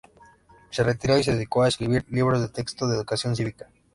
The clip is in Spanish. Se retiró y se dedicó a escribir libros de texto de educación cívica.